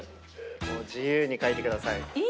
自由にかいてください。